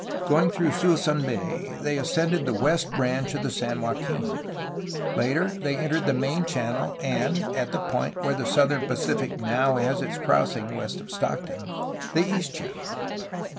Going through Suisun Bay, they ascended the west branch of the San Joaquin. Later they entered the main channel and (at the point where the Southern Pacific now has its crossing west of Stockton) the east channel.